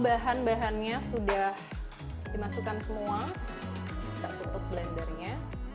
bahan bahannya sudah dimasukkan semua kita tutup blendernya